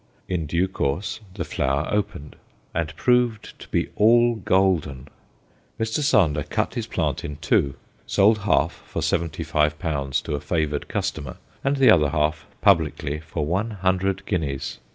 In due course the flower opened, and proved to be all golden! Mr. Sander cut his plant in two, sold half for seventy five pounds to a favoured customer, and the other half, publicly, for one hundred guineas.